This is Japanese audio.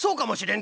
ん？